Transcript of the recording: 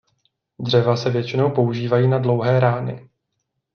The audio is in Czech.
Dřeva se většinou používají na dlouhé rány.